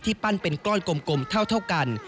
ที่ปั้นเป็นกล้อนกลมเท่าเท่ากัน